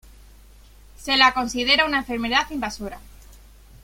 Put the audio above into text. Se la considera una enfermedad invasora.